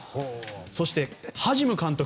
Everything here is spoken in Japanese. そしてハジム監督